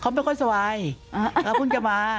เขาไม่ค่อยสบายแล้วเพิ่งจะมา